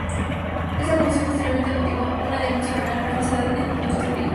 Esta confesión posteriormente motivó una denuncia penal por falsedad en documento público.